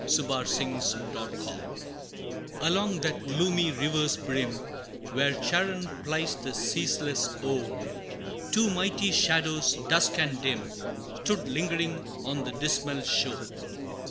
[Illustration: The Two Shades] Along that gloomy river's brim, Where Charon plies the ceaseless oar, Two mighty Shadows, dusk and dim, Stood lingering on the dismal shore.